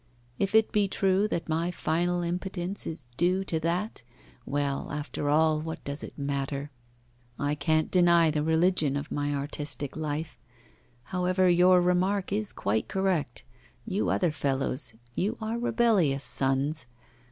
If it be true that my final impotence is due to that, well, after all, what does it matter? I can't deny the religion of my artistic life. However, your remark is quite correct; you other fellows, you are rebellious sons.